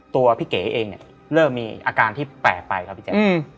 ตัวพี่เก๋เองเริ่มมีอาการที่แปลกไปครับพี่เก๋